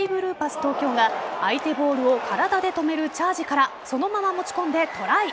東京が相手ボールを体で止めるチャージからそのまま持ち込んでトライ。